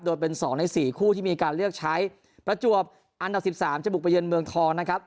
โดยเป็น๒ใน๔คู่ที่มีการเลือกใช้ประจวบอันดับ๑๓จะบุกไปเยือนเมืองทองนะครับ